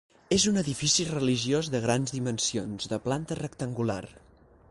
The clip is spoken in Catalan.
És un edifici religiós de grans dimensions, de planta rectangular.